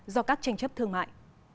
do các tranh chấp thương mại